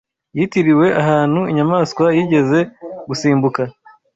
yitiriwe ahantu inyamaswa yigeze gusimbuka